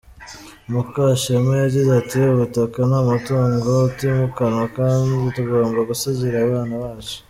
Mukashema yagize ati: “Ubutaka ni umutungo utimukanwa kandi tugomba gusigira abana bacu.